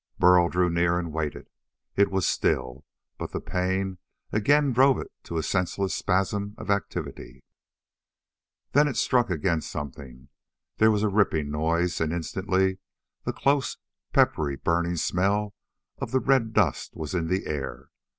Burl drew near and waited. It was still, but pain again drove it to a senseless spasm of activity. Then it struck against something. There was a ripping noise and instantly the close, peppery, burning smell of the red dust was in the air.